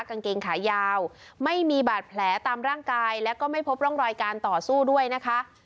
กางเกงขายาวไม่มีบาดแผลตามร่างกายแล้วก็ไม่พบร่องรอยการต่อสู้ด้วยนะคะ